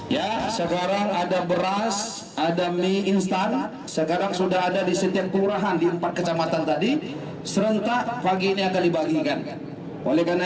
ya sekarang ada beras ada mie instan sekarang sudah ada di setiap kelurahan di empat kecamatan tadi serentak pagi ini akan dibagikan